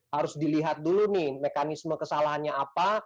harus dilihat dulu nih mekanisme kesalahannya apa